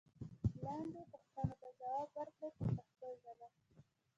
لاندې پوښتنو ته ځواب ورکړئ په پښتو ژبه.